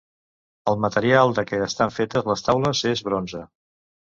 El material de què estan fetes les taules és bronze.